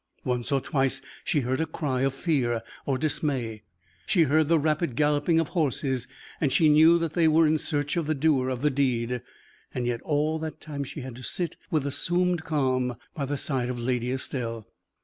Once or twice she heard a cry of fear or dismay. She heard the rapid galloping of horses, and she knew that they were gone in search of the doer of the deed. Yet all that time she had to sit with assumed calm by the side of Lady Estelle.